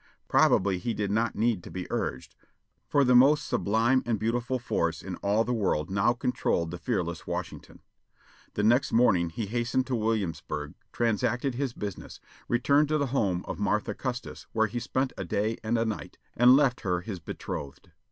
Probably he did not need to be urged, for the most sublime and beautiful force in all the world now controlled the fearless Washington. The next morning he hastened to Williamsburg, transacted his business, returned to the home of Martha Custis, where he spent a day and a night, and left her his betrothed.